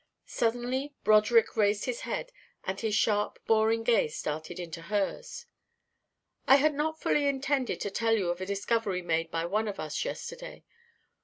Suddenly Broderick raised his head and his sharp boring gaze darted into hers. "I had not fully intended to tell you of a discovery made by one of us yesterday.